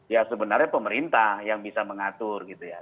ya sebenarnya pemerintah yang bisa mengatur gitu ya